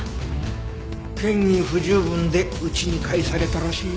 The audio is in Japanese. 嫌疑不十分で家に帰されたらしいよ。